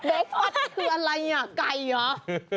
โอ้ยเบ๊กปั๊ดคืออะไรไก่เหรอ